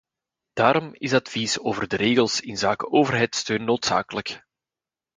Daarom is advies over de regels inzake overheidssteun noodzakelijk.